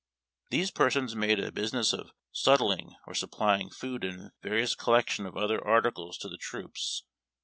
These persons made a business of sut ling, or supplying food and a various collection of other articles to the troops.